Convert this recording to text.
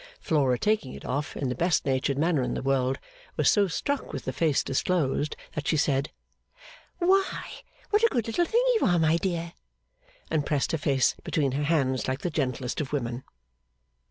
Flora taking it off in the best natured manner in the world, was so struck with the face disclosed, that she said, 'Why, what a good little thing you are, my dear!' and pressed her face between her hands like the gentlest of women.